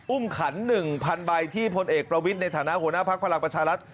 อุ้มขัน๑๐๐๐ใบที่พลเอกประวิทย์ในฐานะหัวหน้าภักดิ์ภารกิจประชารัฐ